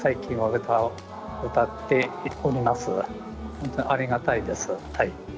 本当にありがたいです。